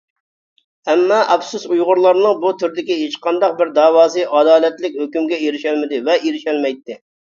ئەمما ئەپسۇس ئۇيغۇرلارنىڭ بۇ تۈردىكى ھېچقانداق بىر داۋاسى ئادالەتلىك ھۆكۈمگە ئېرىشەلمىدى ۋە ئېرىشەلمەيتتى.